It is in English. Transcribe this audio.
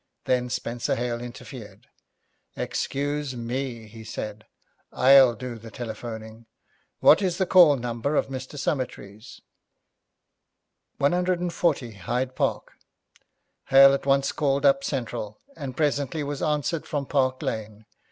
Then Spenser Hale interfered. 'Excuse me,' he said, 'I'll do the telephoning. What is the call number of Mr. Summertrees?' '140 Hyde Park.' Hale at once called up Central, and presently was answered from Park Lane.